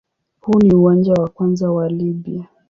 Huu ni uwanja wa kwanza wa Libya.